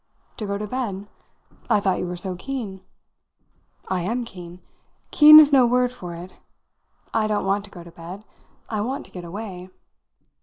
"To go to bed? I thought you were so keen." "I am keen. Keen is no word for it. I don't want to go to bed. I want to get away."